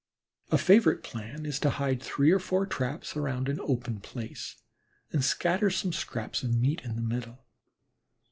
A favorite plan is to hide three or four traps around an open place, and scatter some scraps of meat in the middle.